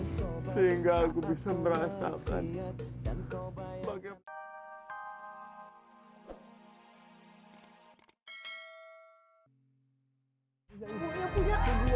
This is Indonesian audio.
sehingga aku bisa merasakan